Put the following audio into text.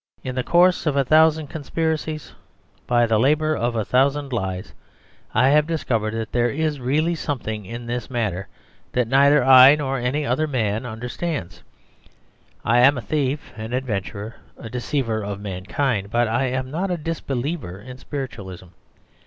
In the course of a thousand conspiracies, by the labour of a thousand lies, I have discovered that there is really something in this matter that neither I nor any other man understands. I am a thief, an adventurer, a deceiver of mankind, but I am not a disbeliever in spiritualism.